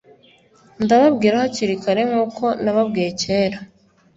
Ndababwira hakiri kare, nk'uko nababwiye kera,